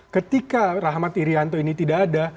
ketika rahmat irianto ini tidak ada